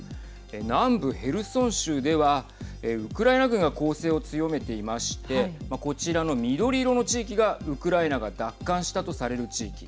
南部ヘルソン州ではウクライナ軍が攻勢を強めていましてこちらの緑色の地域がウクライナが奪還したとされる地域。